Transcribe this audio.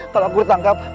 kalau aku ditangkap